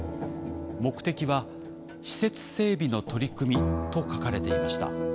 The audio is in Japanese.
目的は「施設整備の取組」と書かれていました。